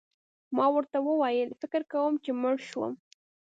ما ورته وویل: فکر کوم چي مړ شو.